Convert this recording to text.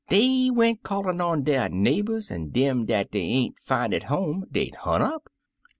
Dey went callin* on der neighbors, an' dem dat dey ain'vfi^^' at home dey'd hunt up.